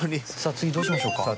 次どうしましょうか？